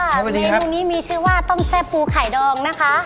ขออนุญาตเสิร์ฟค่ะ